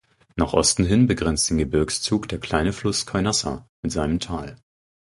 Nach Osten hin begrenzt den Gebirgszug der kleine Fluss "Coinassa" mit seinem Tal.